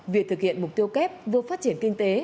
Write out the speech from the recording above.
việc thực hiện mục tiêu kép vừa phát triển kinh tế